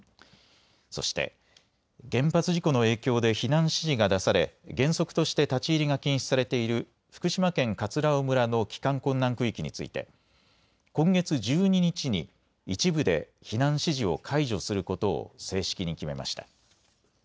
そして、原発事故の影響で避難指示が出され原則として立ち入りが禁止されている福島県葛尾村の帰還困難区域について今月１２日に一部で避難指示を解除することを正式に決めました。